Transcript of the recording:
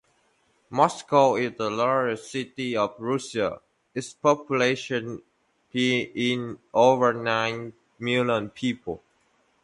Moscow is the largest city of Russia, its population being over nine million people.